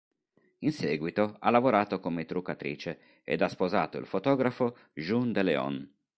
In seguito ha lavorato come truccatrice, ed ha sposato il fotografo Jun de Leon.